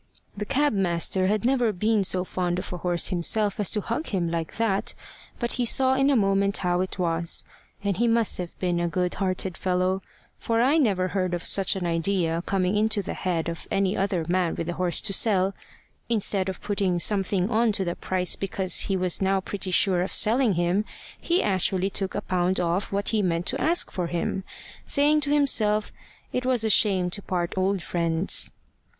The cab master had never been so fond of a horse himself as to hug him like that, but he saw in a moment how it was. And he must have been a good hearted fellow, for I never heard of such an idea coming into the head of any other man with a horse to sell: instead of putting something on to the price because he was now pretty sure of selling him, he actually took a pound off what he had meant to ask for him, saying to himself it was a shame to part old friends.